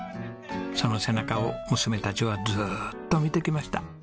その背中を娘たちはずーっと見てきました。